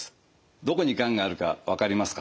どこにがんがあるか分かりますか？